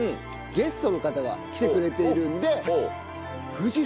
ゲストの方が来てくれているんで。